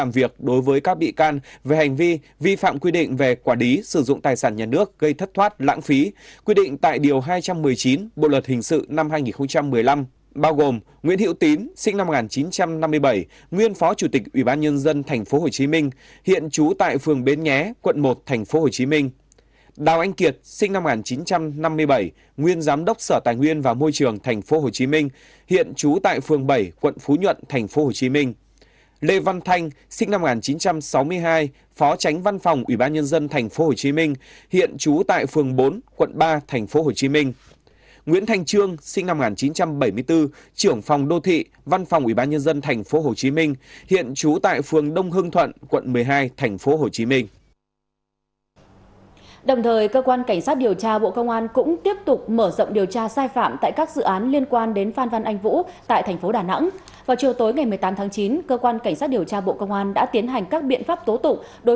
vào chiều tối ngày một mươi tám tháng chín cơ quan cảnh sát điều tra bộ công an đã tiến hành các biện pháp tố tụng đối với các cá nhân sau